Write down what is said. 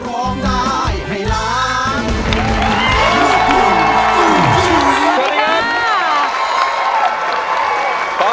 ร้องได้ให้ร้อง